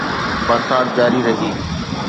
برسات جاري رهي